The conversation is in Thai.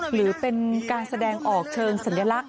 หรือเป็นการแสดงออกเชิงสัญลักษณ